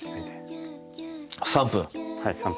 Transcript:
３分？